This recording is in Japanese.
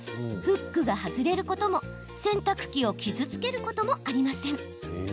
フックが外れることも洗濯機を傷つけることもありません。